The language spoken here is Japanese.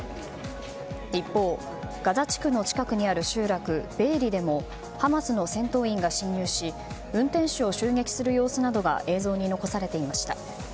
一方、ガザ地区の近くにある集落ベエリでもハマスの戦闘員が侵入し運転手を襲撃する様子などが映像に残されていました。